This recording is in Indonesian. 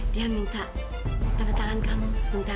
dia minta tanda tangan kamu sebentar